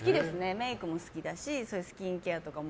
メイクも好きだしスキンケアとかも。